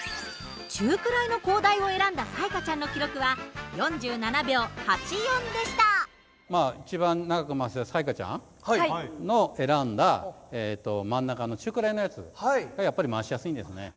中くらいの高台を選んだ彩加ちゃんの記録はまあ一番長く回した彩加ちゃんの選んだ真ん中の中くらいのやつがやっぱり回しやすいんですね。